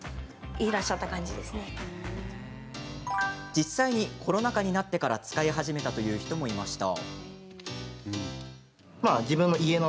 実際にコロナ禍になってから使い始めたという人もいました。